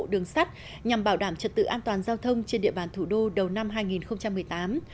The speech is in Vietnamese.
đường sắt nhằm bảo đảm trật tự an toàn giao thông trên địa bàn thủ đô đầu năm hai nghìn một mươi tám